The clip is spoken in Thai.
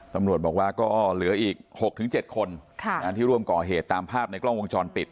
ตำรวจบอกว่าก็เหลืออีก๖๗คนที่ร่วมก่อเหตุตามภาพในกล้องวงจรปิด